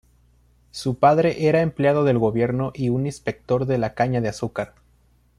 Su padre era empleado del gobierno y un inspector de la caña de azúcar.